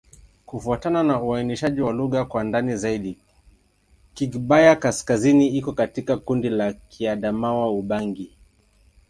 Kufuatana na uainishaji wa lugha kwa ndani zaidi, Kigbaya-Kaskazini iko katika kundi la Kiadamawa-Ubangi.